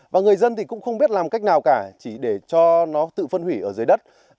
và người dân thì cũng không biết làm cách nào cả chỉ để cho nó tự phân hủy ở dưới đất